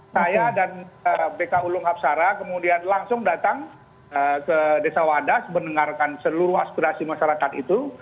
saya dan bk ulung hapsara kemudian langsung datang ke desa wadas mendengarkan seluruh aspirasi masyarakat itu